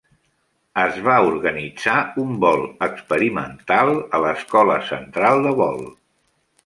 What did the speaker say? Es va organitzar un "vol experimental" a l'Escola central de vol.